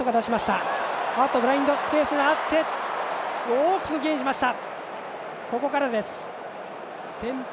大きくゲインしました。